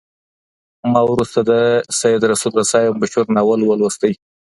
ما وروسته د سید رسول رسا یو مشهور ناول ولوست.